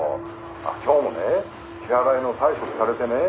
「今日もね支払いの催促されてね」